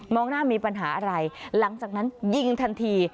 หน้ามีปัญหาอะไรหลังจากนั้นยิงทันที